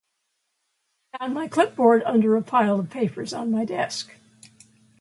I found my clipboard under a pile of papers on my desk.